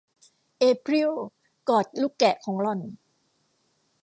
เอพริลกอดลูกแกะของหล่อน